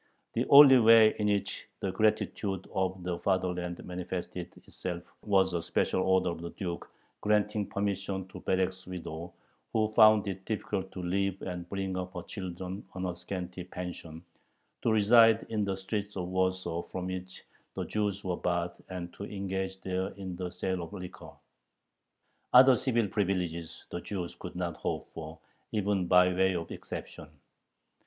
The only way in which the gratitude of the "fatherland" manifested itself was a special order of the Duke granting permission to Berek's widow, who found it difficult to live and bring up her children on her scanty pension, to reside in the streets of Warsaw from which the Jews were barred, and "to engage there in the sale of liquor." Other civil privileges the Jews could not hope for, even by way of exception.